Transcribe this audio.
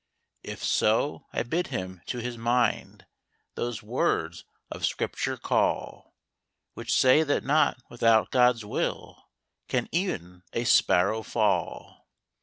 If so, I bid him to his mind Those words of Scripture call, Which say that not without God's will Can e'en a Sparrow fall.